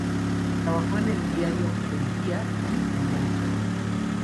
Trabajó en el diario "El Día" y en "Brecha".